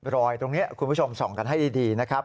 รอยตรงนี้คุณผู้ชมส่องกันให้ดีนะครับ